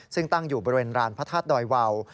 ซึ่งตั้งอยู่บริเวณรานพระธาตุดอยวาว